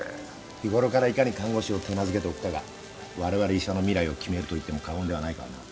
日頃からいかに看護師を手懐けておくかが我々医者の未来を決めると言っても過言ではないからな。